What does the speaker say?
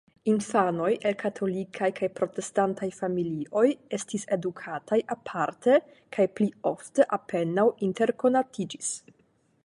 Infanoj el katolikaj kaj protestantaj familioj estis edukataj aparte, kaj pli ofte apenaŭ interkonatiĝis.